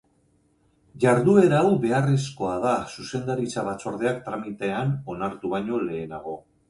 Jarduera hau beharrezkoa da Zuzendaritza Batzordeak tramitean onartu baino lehenago.